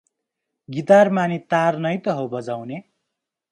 Guitar मा नी तार नै त हो बजाउने।